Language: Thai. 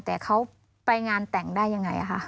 แต่เขาไปงานแต่งได้ยังไงค่ะ